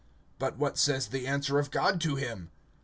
(4)But what says the answer of God to him?